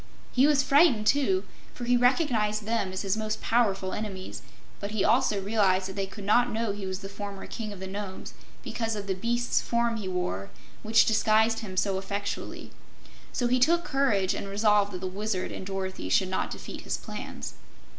He was frightened, too, for he recognized them as his most powerful enemies; but he also realized that they could not know he was the former King of the Nomes, because of the beast's form he wore, which disguised him so effectually. So he took courage and resolved that the Wizard and Dorothy should not defeat his plans.